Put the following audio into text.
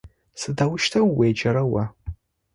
Сыдэущтэу уеджэра о?